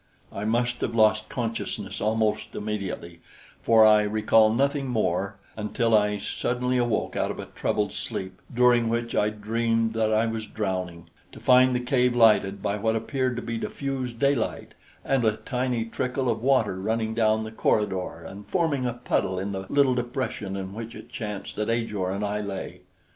I must have lost consciousness almost immediately, for I recall nothing more until I suddenly awoke out of a troubled sleep, during which I dreamed that I was drowning, to find the cave lighted by what appeared to be diffused daylight, and a tiny trickle of water running down the corridor and forming a puddle in the little depression in which it chanced that Ajor and I lay.